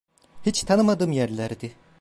Hiç tanımadığım yerlerdi.